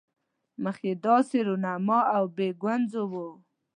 مخ یې داسې رونما او بې ګونځو وو.